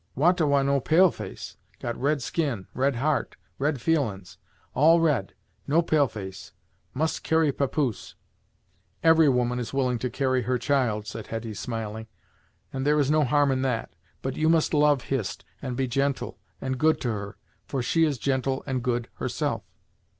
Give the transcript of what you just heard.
"Wah ta Wah no pale face got red skin; red heart, red feelin's. All red; no pale face. Must carry papoose." "Every woman is willing to carry her child," said Hetty smiling, "and there is no harm in that. But you must love Hist, and be gentle, and good to her; for she is gentle and good herself."